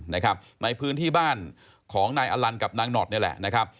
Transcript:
ในพื้นที่บ้านของนายอลันกับนางหนอดนี่แหละนะครับ